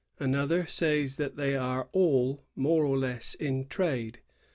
Another says that they are all more or less in trade.